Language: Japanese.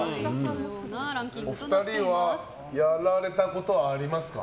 お二人はやられたことはありますか？